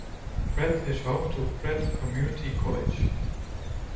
Pratt is home to Pratt Community College.